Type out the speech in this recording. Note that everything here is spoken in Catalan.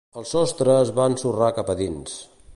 El sostre es va ensorrar cap a dins.